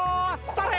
それ。